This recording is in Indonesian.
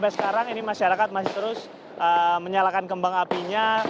sekarang ini masyarakat masih terus menyalakan kembang apinya